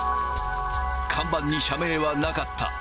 看板に社名はなかった。